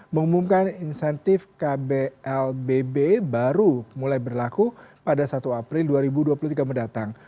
mengumumkan insentif kblbb baru mulai berlaku pada satu april dua ribu dua puluh tiga mendatang